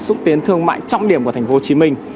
xúc tiến thương mại trọng điểm của thành phố hồ chí minh